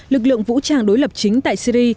lực lượng vũ trang đối lập chính tại syri